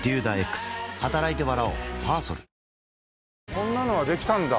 こんなのができたんだ。